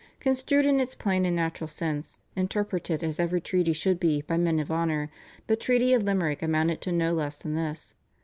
Construed in its plain and natural sense, interpreted as every treaty should be by men of honour, the Treaty of Limerick amounted to no less than this."